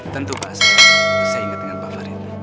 tentu pak saya ingat dengan pak farid